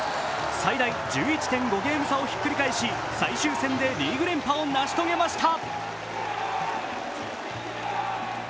最大１１．５ゲーム差をひっくり返し最終戦でリーグ連覇を成し遂げました。